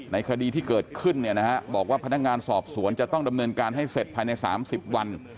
คดีที่เกิดขึ้นบอกว่าพนักงานสอบสวนจะต้องดำเนินการให้เสร็จภายใน๓๐วัน